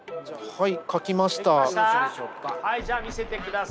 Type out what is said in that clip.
はい。